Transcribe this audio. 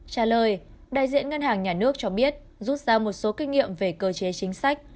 trả lời đại diện ngân hàng nhà nước cho biết rút ra một số kinh nghiệm về cơ chế chính sách